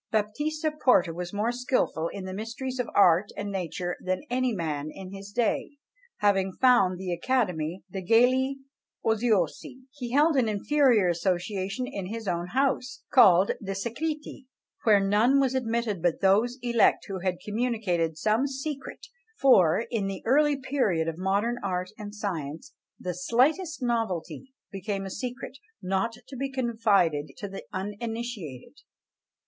Baptista Porta was more skilful in the mysteries of art and nature than any man in his day. Having founded the Academy degli Oziosi, he held an inferior association in his own house, called di Secreti, where none was admitted but those elect who had communicated some secret; for, in the early period of modern art and science, the slightest novelty became a secret, not to be confided to the uninitiated.